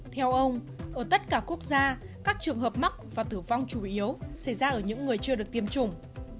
theo ông ở tất cả quốc gia các trường hợp mắc và tử vong chủ yếu xảy ra ở những người chưa được tiêm chủng